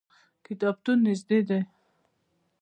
کتابتون نږدې دی